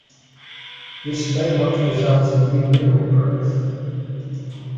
This may not result in new mineral growth.